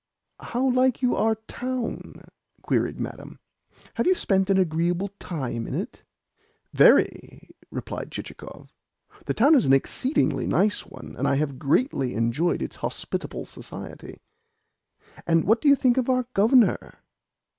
"How like you our town?" queried Madame. "Have you spent an agreeable time in it?" "Very," replied Chichikov. "The town is an exceedingly nice one, and I have greatly enjoyed its hospitable society." "And what do you think of our Governor?"